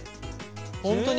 本当に？